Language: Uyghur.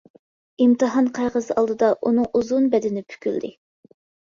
ئىمتىھان قەغىزى ئالدىدا ئۇنىڭ ئۇزۇن بەدىنى پۈكۈلدى.